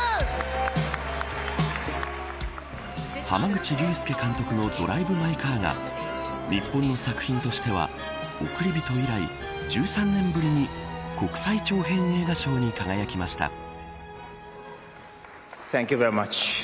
濱口竜介監督のドライブ・マイ・カーが日本の作品としてはおくりびと以来、１３年ぶりに国際長編映画賞に輝きました。